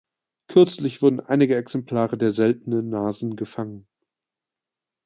Kürzlich wurden einige Exemplare der seltenen Nasen gefangen.